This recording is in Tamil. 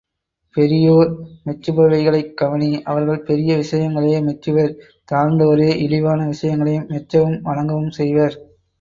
பெரியோர் மெச்சுபவைகளைக்கவனி அவர்கள் பெரிய விஷயங்களையே மெச்சுவர் தாழ்ந்தோரே இழிவான விஷயங்களை மெச்சவும் வணங்கவும் செய்வர்.